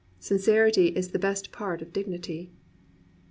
Sincerity is the best part of dignity.